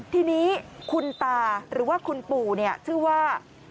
ทีนี้คุณตาหรือว่าคุณปู่ชื่อว่า